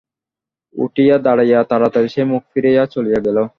উঠিয়া দাঁড়াইয়া তাড়াতাড়ি সে মুখ ফিরাইয়া চলিয়া গেল।